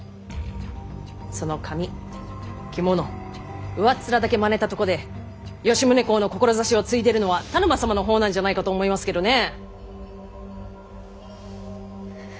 その髪着物上っ面だけまねたとこで吉宗公の志をついでいるのは田沼様のほうなんじゃないかと思いますけどね！